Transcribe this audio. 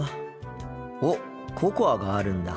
おっココアがあるんだ。